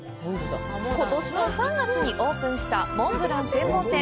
今年の３月にオープンしたモンブラン専門店。